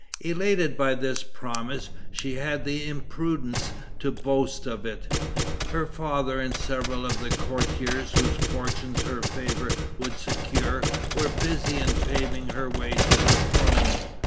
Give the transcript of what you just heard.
Elated by this promise, she had the imprudence to boast of it. Her father and several of the courtiers whose fortunes her favor would secure, were busy in paving her way to the throne.